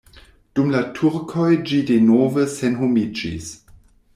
Dum la turkoj ĝi denove senhomiĝis.